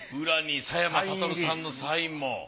裏に佐山サトルさんのサインも。